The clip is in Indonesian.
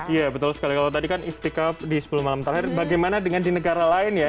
iya betul sekali kalau tadi kan iftikaf di sepuluh malam terakhir bagaimana dengan di negara lain ya